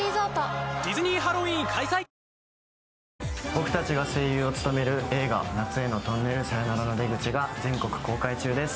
僕たちが声優を務める映画「夏へのトンネル、さよならの出口」が全国公開中です。